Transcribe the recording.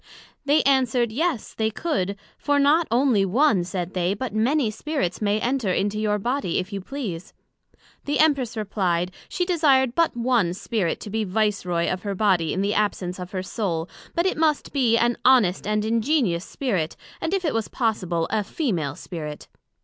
They answered, Yes, they could; for not onely one, said they, but many Spirits may enter into your body, if you please. The Empress replied, she desired but one Spirit to be Vice Roy of her body in the absence of her Soul, but it must be an honest and ingenious Spirit; and if it was possible, a female Spirit.